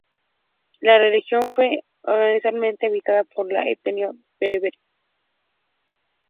La región fue originalmente habitada por la etnia bereber.